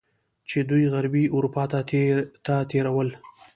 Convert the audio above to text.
چې دوی غربي اروپا ته تیرول.